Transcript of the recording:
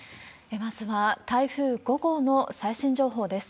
では、まずは台風５号の最新情報です。